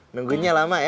nunggu nya lama ya